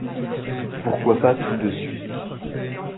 Pourquoi pas tout de suite?